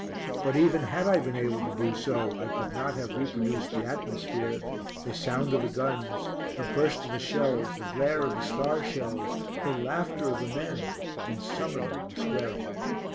But even had I been able to do so I could not have reproduced the atmosphere, the sound of the guns, the burst of the shells, the glare of the star shells, the laughter of the men and some of them were swearing.